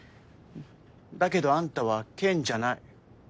だけどあんたはケンじゃない。